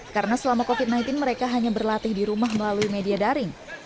karena selama covid sembilan belas mereka hanya berlatih di rumah melalui media daring